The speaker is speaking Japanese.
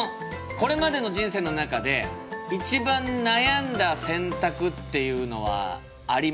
これまでの人生の中で一番悩んだ選択っていうのはありますか？